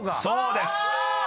［そうです］